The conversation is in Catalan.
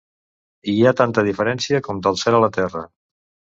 Hi ha tanta diferència com del cel a la terra.